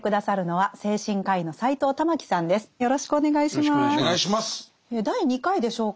はい。